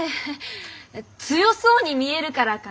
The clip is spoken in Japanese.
強そうに見えるからかな。